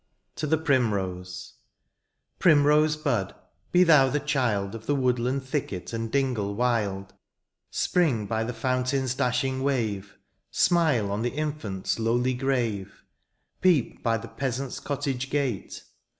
TO THE PRIMROSE. Primrose bud, be thou the child Of the woodland thicket and dingle wild ; Spring by the fountain's dashing wave. Smile on the infant's lowly grave, Peep by the peasant's cottage gate.